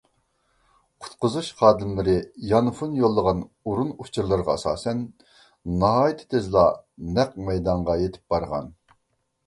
قۇتقۇزۇش خادىملىرى يانفون يوللىغان ئورۇن ئۇچۇرىغا ئاساسەن، ناھايىتى تېزلا نەق مەيدانغا يېتىپ بارغان.